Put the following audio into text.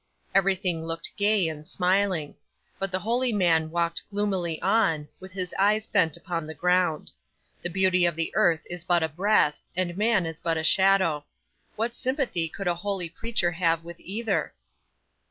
Everything looked gay and smiling; but the holy man walked gloomily on, with his eyes bent upon the ground. The beauty of the earth is but a breath, and man is but a shadow. What sympathy should a holy preacher have with either?